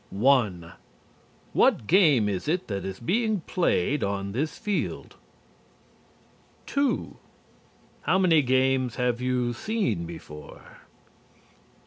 1. What game is it that is being played on this field? 2. How many games have you seen before?